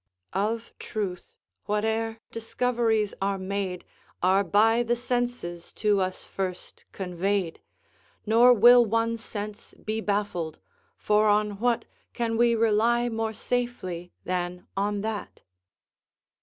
"Of truth, whate'er discoveries are made, Are by the senses to us first conveyed; Nor will one sense be baffled; for on what Can we rely more safely than on that?"